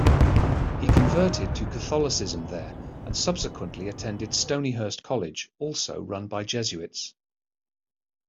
He converted to Catholicism there and subsequently attended Stonyhurst College, also run by Jesuits.